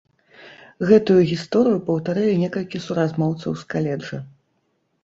Гэтую гісторыю паўтарылі некалькі суразмоўцаў з каледжа.